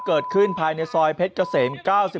เกิดขึ้นภายในซอยเพชรเกษม๙๖